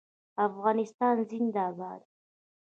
افغانستان زنده باد.